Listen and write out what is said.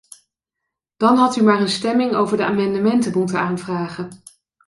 Dan had u maar een stemming over de amendementen moeten aanvragen.